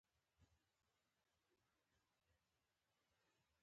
د طیارې سفر د نړۍ اقتصاد ته ګټه رسوي.